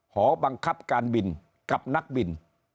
หอบังคับการบินกับนักบิน